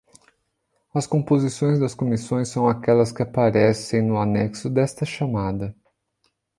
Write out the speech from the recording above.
As composições das comissões são aquelas que aparecem no anexo desta chamada.